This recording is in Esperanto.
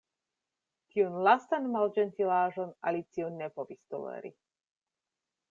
Tiun lastan malĝentilaĵon Alicio ne povis toleri.